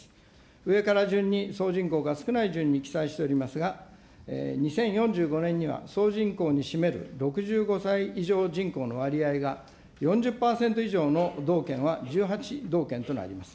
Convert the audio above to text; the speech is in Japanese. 上から順に総人口が少ない順に記載しておりますが、２０４５年には、総人口に占める６５歳以上人口の割合が４０％以上の道県は、１８道県となります。